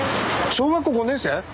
小学校５年生⁉